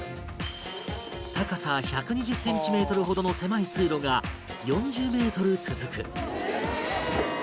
高さ１２０センチメートルほどの狭い通路が４０メートル続く